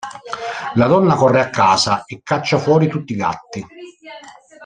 La donna corre a casa e caccia fuori tutti i gatti.